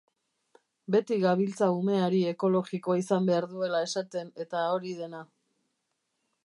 Beti gabiltza umeari ekologikoa izan behar duela esaten eta hori dena.